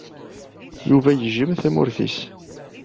Yuba yejjem tamurt-nnes.